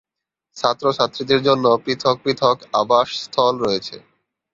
ছাত্র-ছাত্রীদের জন্য পৃথক পৃথক আবাসস্থল রয়েছে।